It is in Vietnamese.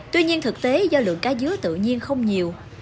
tuy nhiên thực tế do lượng cá dứa tự nhiên không nhiều